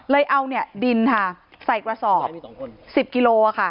เลยเอาเนี่ยดินค่ะใส่กระสอบ๑๐กิโลค่ะ